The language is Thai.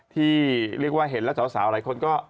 ที่เรียกว่าเห็นแล้วสาวหลายคนก็